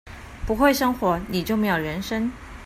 不會生活，你就沒有人生